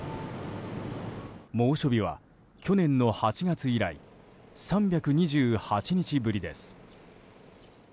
猛暑日は去年の８月以来３２８日ぶりです。